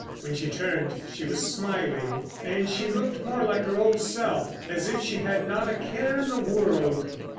When she turned she was smiling, and she looked more like her old self—as if she had not a care in the world.